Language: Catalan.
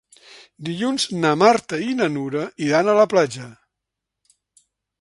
Dilluns na Marta i na Nura iran a la platja.